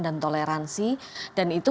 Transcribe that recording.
dan toleransi dan itu